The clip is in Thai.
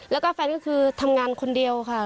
แล้วก็แฟนก็คือทำงานคนเดียวค่ะ